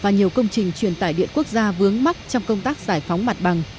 và nhiều công trình truyền tải điện quốc gia vướng mắt trong công tác giải phóng mặt bằng